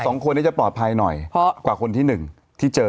แต่๒คนนี้จะปลอดภัยหน่อยกว่าคนที่๑ที่เจอ